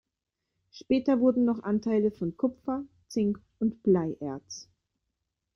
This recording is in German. Später wurden noch Anteile von Kupfer, Zink und Bleierz.